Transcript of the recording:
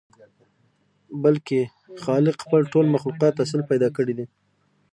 بلکې خالق خپل ټول مخلوق اصيل پيدا کړي دي.